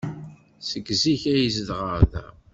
Seg zik ay zedɣeɣ da.